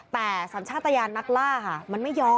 แต่สัญชาติยานนักล่าค่ะมันไม่ยอม